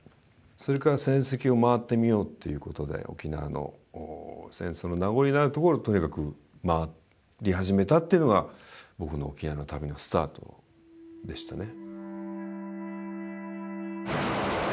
それから戦跡を回ってみようっていうことで沖縄の戦争の名残のあるところをとにかく回り始めたっていうのが僕の沖縄の旅のスタートでしたね。